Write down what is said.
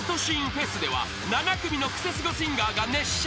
ＦＥＳでは７組のクセスゴシンガーが熱唱］